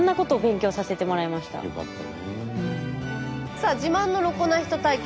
さあ自慢のロコな人対決。